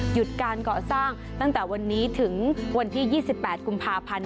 หยุดการก่อสร้างตั้งแต่วันนี้ถึงวันที่๒๘กุมภาพันธ์